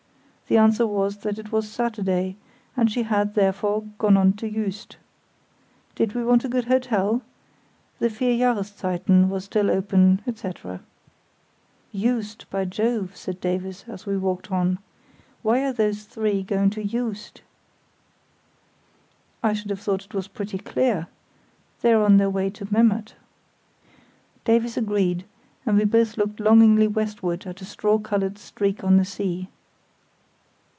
The answer was that it was Saturday, and she had, therefore, gone on to Juist. Did we want a good hotel? The "Vier Jahreszeiten" was still open, etc. "Juist, by Jove!" said Davies, as we walked on. "Why are those three going to Juist?" "I should have thought it was pretty clear. They're on their way to Memmert." Davies agreed, and we both looked longingly westward at a straw coloured streak on the sea.